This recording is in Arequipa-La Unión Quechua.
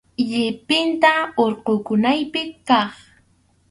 Llipinta hurqukunayki kaq.